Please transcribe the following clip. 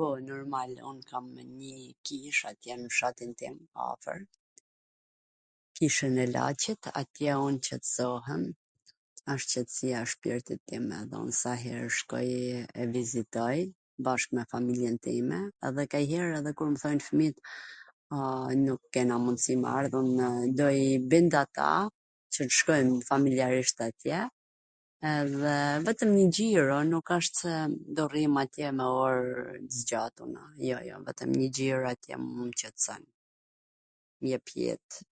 Po, normal, un kam e nji kish atje nw fshatin tim afwr, kishwn e Lacit, atje un qetsohem, asht qetsia e shpirtit tim me ba sa herw shkoj, e vizitoj bashk me familjen time edhe kanjher edhe kur mw thojn fmijt, a, nuk kena mundsi me ardhunw, do vin edhe ata qw shkojn familjarisht atje, edhe vetwm njw xhiro, nuk asht se rrim atje me or t zgjatuna, kjo, jo, vetwm njw xhiro atje mu m qetson, m jep jet.